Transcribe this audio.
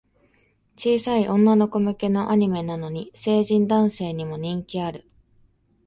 小さい女の子向けのアニメなのに、成人男性にも人気ある